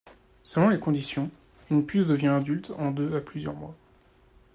Selon les conditions, une puce devient adulte en deux à plusieurs mois.